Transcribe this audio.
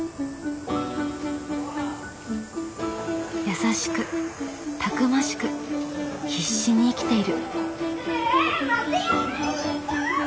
優しくたくましく必死に生きている。